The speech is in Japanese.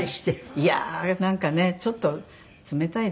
いやあなんかねちょっと冷たいですよね。